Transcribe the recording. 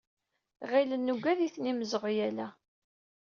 Ɣilen nugad-iten imzeɣyal-a.